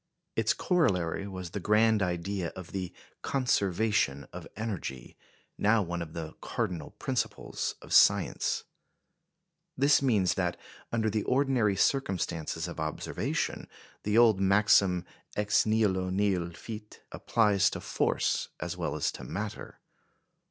Its corollary was the grand idea of the "conservation of energy," now one of the cardinal principles of science. This means that, under the ordinary circumstances of observation, the old maxim ex nihilo nihil fit applies to force as well as to matter.